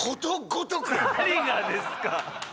何がですか！